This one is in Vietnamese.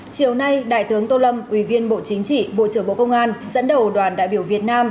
chiều nay đại tướng tô lâm ủy viên bộ chính trị bộ trưởng bộ công an dẫn đầu đoàn đại biểu việt nam